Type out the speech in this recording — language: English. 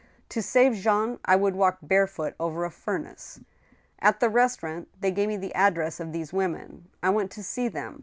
To save Jean, I would walk barefoot over a furnace ! At the restaurant they gave me the address of these women. I went to see them.